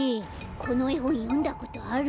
このえほんよんだことある？